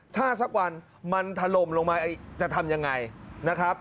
ถ้าสักวันมันถล่มลงมาจะทำยังไงนะครับ